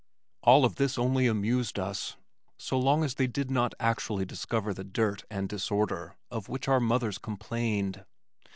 All of this only amused us, so long as they did not actually discover the dirt and disorder of which our mothers complained.